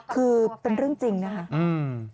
คือเป็นเรื่องจริงนะคะอืม